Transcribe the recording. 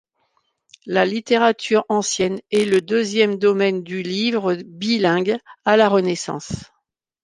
La littérature ancienne est le deuxième domaine du livre bilingue à la Renaissance.